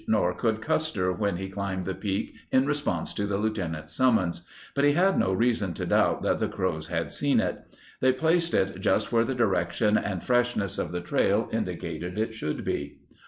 Nor could Custer when he climbed the peak in response to the lieuten ant's summons. But he had no reason to doubt that the Crows had seen it. They placed it just where the direction and freshness of the trail indicated it should be.